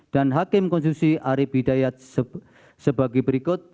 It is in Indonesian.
dan hakim konstitusi ari bidayat sebagai berikut